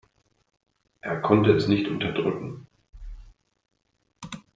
Er konnte es nicht unterdrücken.